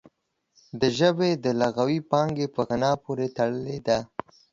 د ژبې د لغوي پانګې په غنا پورې تړلې ده